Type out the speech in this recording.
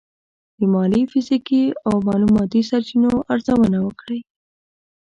د مالي، فزیکي او معلوماتي سرچینو ارزونه وکړئ.